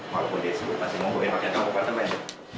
walaupun dia sibuk masih mau gue pake toko buat temen